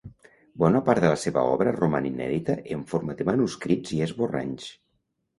Bona part de la seva obra roman inèdita en forma de manuscrits i esborranys.